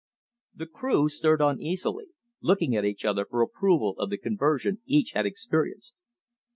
The crew stirred uneasily, looking at each other for approval of the conversion each had experienced.